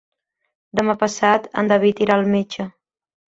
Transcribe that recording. Demà passat en David irà al metge.